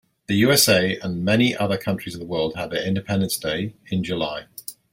The USA and many other countries of the world have their independence day in July.